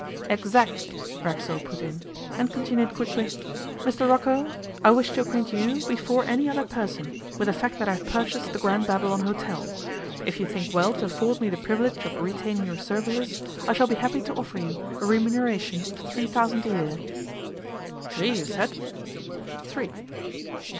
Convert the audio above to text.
'Exactly,' Racksole put in, and continued quickly: 'Mr Rocco, I wish to acquaint you before any other person with the fact that I have purchased the Grand Babylon Hôtel. If you think well to afford me the privilege of retaining your services I shall be happy to offer you a remuneration of three thousand a year.' 'Tree, you said?' 'Three.